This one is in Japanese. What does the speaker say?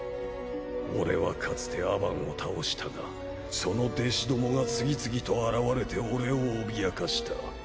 俺はかつてアバンを倒したがその弟子どもが次々と現れて俺を脅かした。